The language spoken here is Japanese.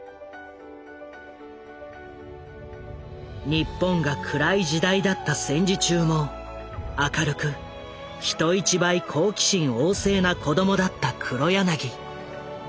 日本が暗い時代だった戦時中も明るく人一倍好奇心旺盛な子供だった黒柳。